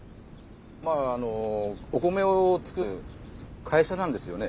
まああのお米を作る会社なんですよね。